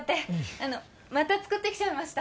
あのまた作って来ちゃいました。